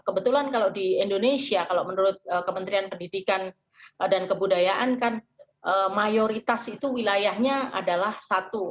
kebetulan kalau di indonesia kalau menurut kementerian pendidikan dan kebudayaan kan mayoritas itu wilayahnya adalah satu